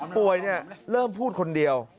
ป่วยเริ่มพูดคนเดียว